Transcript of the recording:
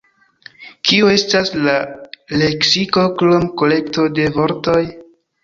Kio estas la leksiko krom kolekto de vortoj?